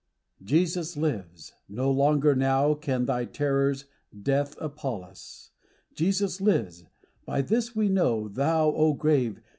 Jesus lives : no longer now Can thy terrors, Death, appall us : Jesus lives : by this we know Thou, O grave